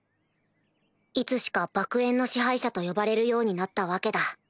いつしか爆炎の支配者と呼ばれるようになったわけだ。